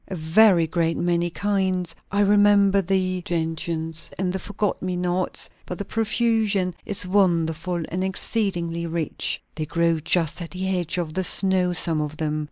"A very great many kinds. I remember the gentians, and the forget me nots; but the profusion is wonderful, and exceedingly rich. They grow just at the edge of the snow, some of them.